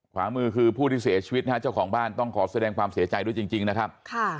ขวามือคือผู้ที่เสียชีวิตนะฮะเจ้าของบ้านต้องขอแสดงความเสียใจด้วยจริงนะครับ